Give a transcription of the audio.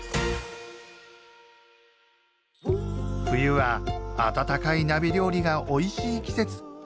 冬は温かい鍋料理がおいしい季節。